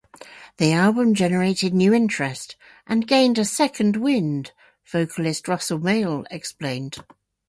The album generated new interest, and gained a "second wind," vocalist Russell Mael explained.